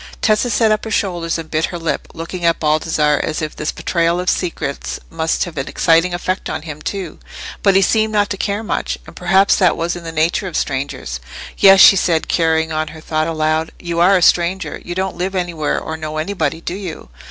Tessa set up her shoulders and bit her lip, looking at Baldassarre as if this betrayal of secrets must have an exciting effect on him too. But he seemed not to care much; and perhaps that was in the nature of strangers. "Yes," she said, carrying on her thought aloud, "you are a stranger; you don't live anywhere or know anybody, do you?"